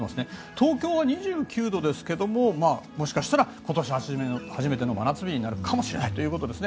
東京は２９度ですけどももしかしたら今年初めての真夏日になるかもしれないということですね。